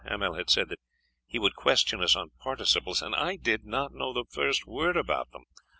Hamel had said that he would question us on participles, and I did not know the first word about them.